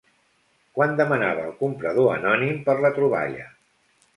Quan demanava el comprador anònim per la troballa?